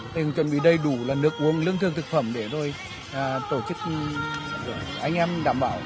để chuẩn bị đầy đủ là nước uống lương thương thực phẩm để rồi tổ chức anh em đảm bảo